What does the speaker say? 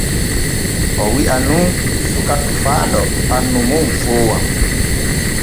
O wi’an nun suka tofaaɗo ɓannu mum foowan.